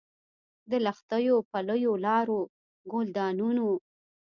د لښتیو، پلیو لارو، ګلدانونو